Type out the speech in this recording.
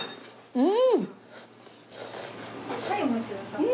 うん。